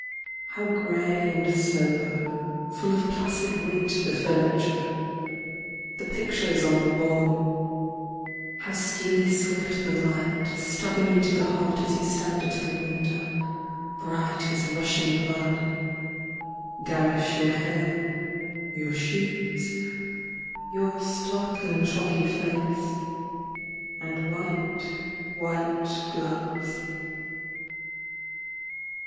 How grey and sober, full of placid wit The furniture, the pictures on the wall ; How steely swift the light, stabbing you to the heart As you stand at the window, bright as rushing blood. Garish your hair, your shoes, your startling chalky face, And white, white gloves.